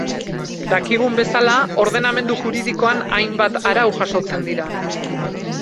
Dakigun bezala, ordenamendu juridikoan hainbat arau jasotzen dira.